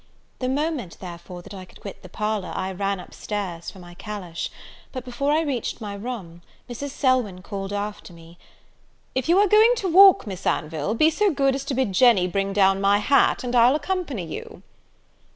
The moment, therefore, that I could quit the parlour, I ran up stairs for my calash; but, before I reached my room, Mrs. Selwyn called after me, "If you are going to walk, Miss Anville, be so good as to bid Jenny bring down my hat, and I'll accompany you."